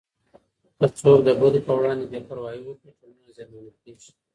که څوک د بدو په وړاندې بې پروايي وکړي، ټولنه زیانمنه کېږي.